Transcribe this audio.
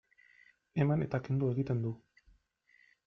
Eman eta kendu egiten du.